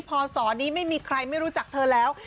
พศนี้ไม่มีใครไม่รู้จักเธอแล้ว